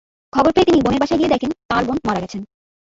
খবর পেয়ে তিনি বোনের বাসায় গিয়ে দেখেন, তাঁর বোন মারা গেছেন।